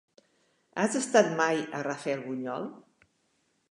Has estat mai a Rafelbunyol?